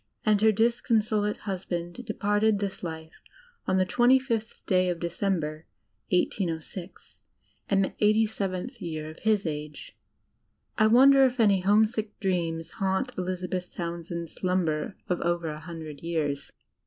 And her disconso late husband departed this life on the 25 th day of Decem ber, 1806, in the 87th year of his age." I wonder if any homesick dreams haunt Elizabeth Townsend's slumber of over a hundred years!